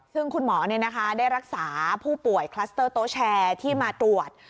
ซึ่งคุณหมอเนี่ยนะคะได้รักษาผู้ป่วยคลัสเตอร์โต้แชที่มาตรวจ